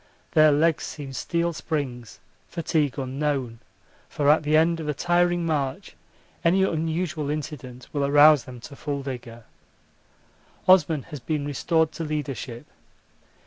Their legs seem steel springs, fatigue unknown for at the end of a tiring march any unusual incident will arouse them to full vigour. Osman has been restored to leadership.